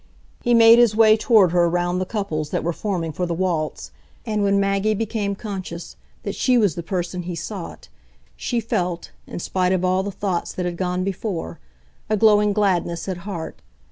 He made his way toward her round the couples that were forming for the waltz; and when Maggie became conscious that she was the person he sought, she felt, in spite of all the thoughts that had gone before, a glowing gladness at heart.